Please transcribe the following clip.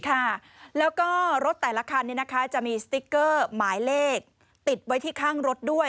ค่ะแล้วก็รถแต่ละคันจะมีสติ๊กเกอร์หมายเลขติดไว้ที่ข้างรถด้วย